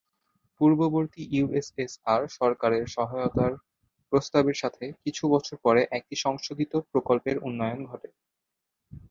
পূর্ববর্তী ইউএসএসআর সরকারের সহায়তার প্রস্তাবের সাথে, কিছু বছর পরে একটি সংশোধিত প্রকল্পের উন্নয়ন ঘটে।